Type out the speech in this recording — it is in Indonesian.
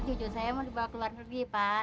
cucu saya mau dibawa keluar negeri pak